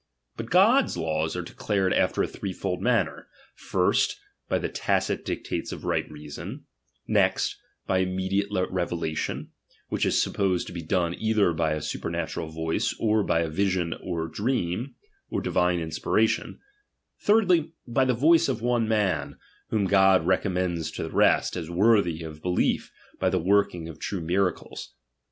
But God's laws are declared after a threefold manner : first, by the tacit dictates of right reason ; next, by immediate revelation, which is supposed to be done either by a super natural voice, or by a vision or dream, or divine inspiration ; thirdly, by the voice of one man, whom God recommends to the rest, as worthy of belief, by the working of true miracles.